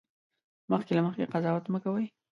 مخکې له مخکې قضاوت مه کوئ